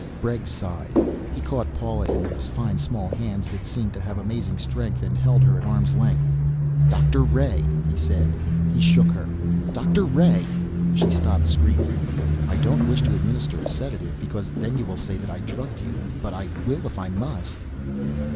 Bregg sighed. He caught Paula in those fine small hands that seemed to have amazing strength and held her, at arm's length. "Doctor Ray," he said. He shook her. "Doctor Ray." She stopped screaming. "I don't wish to administer a sedative because then you will say that I drugged you. But I will if I must."